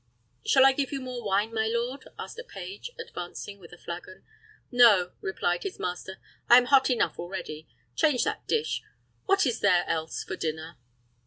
"Shall I give you more wine, my lord?" asked a page, advancing with a flagon. "No," replied his master; "I am hot enough already. Change that dish. What is there else for dinner?"